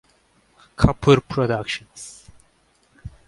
Kapur Productions.